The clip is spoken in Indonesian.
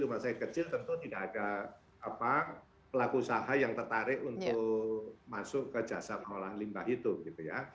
rumah sakit kecil tentu tidak ada pelaku usaha yang tertarik untuk masuk ke jasa pengolahan limbah itu gitu ya